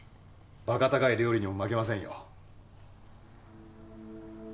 馬鹿高い料理にも負けませんよ。